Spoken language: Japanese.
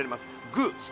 グー下。